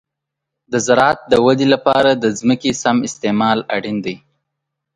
د زراعت د ودې لپاره د ځمکې سم استعمال اړین دی.